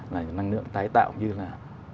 là năng lượng tái tạo như là